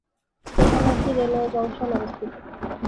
এখানে একটি railway junction অবস্থিত।